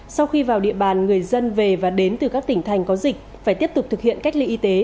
sau khi vào địa bàn người dân về và đến từ các tỉnh thành có dịch phải tiếp tục thực hiện cách ly y tế